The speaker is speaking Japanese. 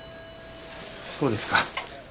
そうですか。